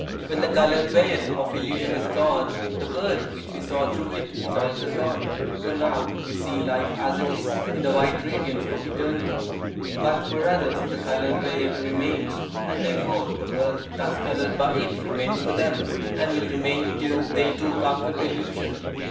When the coloured veil of illusion is gone, the world which we saw through it is also gone, for now we see life as it is, in the white radiance of eternity. But for others the coloured veil remains, and therefore the world thus coloured by it remains for them, and will remain till they, too, conquer delusion. 23.